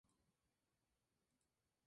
Está situado en el este del municipio.